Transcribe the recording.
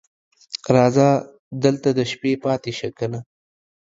راځه دلته د شپې پاتې شه کنه